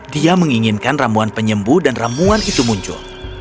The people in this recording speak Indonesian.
dia menginginkan rambuan penyembuh dan rambuan itu muncul